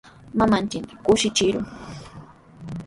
Mamanchikta kushichishun.